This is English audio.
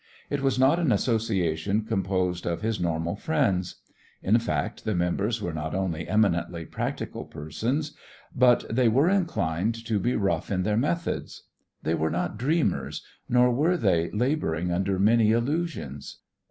It was not an association composed of his normal friends; in fact, the members were not only eminently practical persons but they were inclined to be rough in their methods. They were not dreamers, nor were they laboring under many illusions.